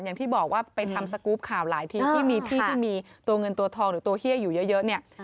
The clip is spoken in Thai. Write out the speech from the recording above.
อย่างที่บอกว่าไปทำสกรูปข่าวหลายทีที่มีที่ที่มีตัวเงินตัวทองหรือตัวเฮียอยู่เยอะเนี่ย